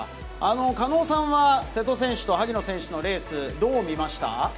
狩野さんは瀬戸選手と萩野選手のレース、どう見ました？